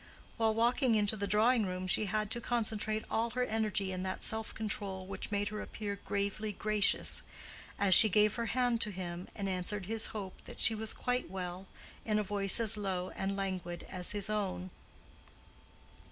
While walking into the drawing room, she had to concentrate all her energy in that self control, which made her appear gravely gracious—as she gave her hand to him, and answered his hope that she was quite well in a voice as low and languid as his own.